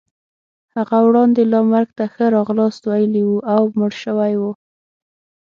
هغه وړاندې لا مرګ ته ښه راغلاست ویلی وو او مړ شوی وو.